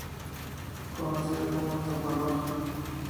Conocido como "tapa roja".